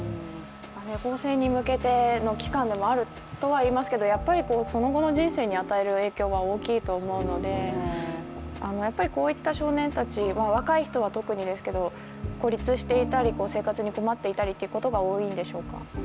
更正に向けての期間でもあるとはいいますけどやっぱりその後の人生に与える影響は大きいと思いますのでやっぱりこういった少年たちは若い人は特にですけど孤立していたり、生活に困っていたりということが多いんでしょうか？